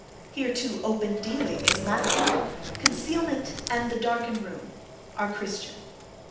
Here, too, open dealing is lacking; concealment and the darkened room are Christian.